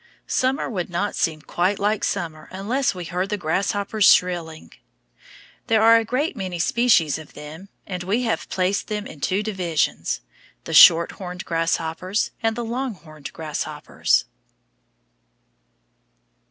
Summer would not seem quite like summer unless we heard the grasshoppers shrilling. There are a great many species of them, and we have placed them in two divisions, The Shorthorned Grasshoppers and The Longhorned Grasshoppers.